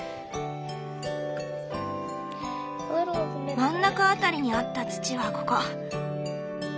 真ん中辺りにあった土はここ。